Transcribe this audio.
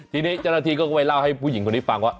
ทีนี้เจ้าหน้าที่ก็ไปเล่าให้ผู้หญิงคนนี้ฟังว่า